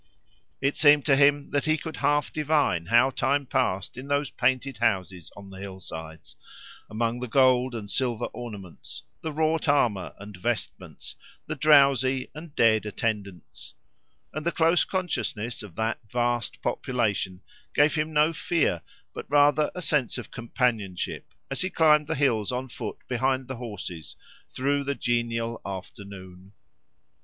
It seemed to him that he could half divine how time passed in those painted houses on the hillsides, among the gold and silver ornaments, the wrought armour and vestments, the drowsy and dead attendants; and the close consciousness of that vast population gave him no fear, but rather a sense of companionship, as he climbed the hills on foot behind the horses, through the genial afternoon.